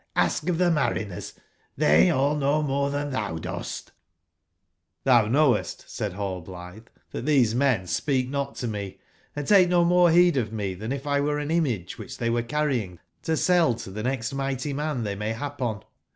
ask of the mari nersXhey all know more than thou dost ''JP *' TThou knowest,"saidnallblithe,'*that thesemen speaknot to me, and take no more heed of me than if 1 were an image which they were carrying to sell to the next mighty man they may hap on.